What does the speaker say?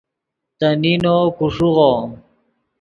تو نینو کو ݰیغو